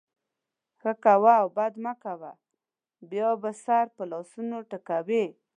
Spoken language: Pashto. ښه کوه او بد مه کوه؛ بیا به سر په لاسونو ټکوې.